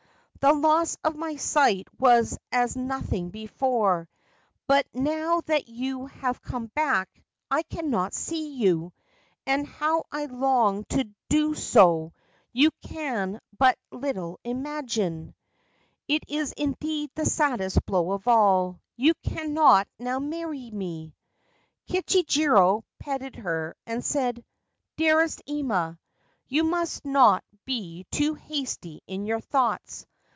The loss of my sight was as nothing before ; but now that you have come back, I cannot see you, and how I long to do so you can but little imagine ! It is 250 The Blind Beauty indeed the saddest blow of all. You cannot now marry me/ Kichijiro petted her, and said, c Dearest Ima, you must not be too hasty in your thoughts.